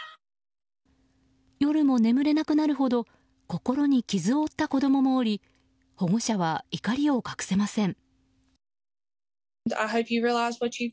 夜も眠れなくなるほど心に傷を負った子供もおり保護者は怒りを隠せません。